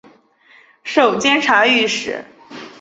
授监察御史。